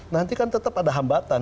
nanti kan tetap ada hambatan